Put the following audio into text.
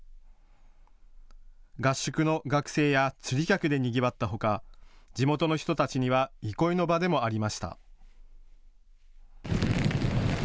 合宿の学生や釣り客でにぎわったほか地元の人たちには憩いの場でもありました。